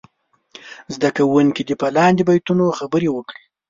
زده کوونکي دې په لاندې بیتونو خبرې وکړي.